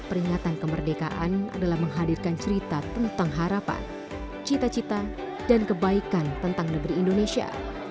peringatan kemerdekaan adalah menghadirkan cerita tentang harapan cita cita dan kebaikan tentang negeri indonesia